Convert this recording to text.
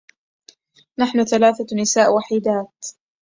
نحن ثلاث نساء وحيدات.